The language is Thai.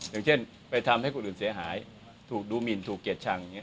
อย่างเช่นไปทำให้คนอื่นเสียหายถูกดูหมินถูกเกลียดชังอย่างนี้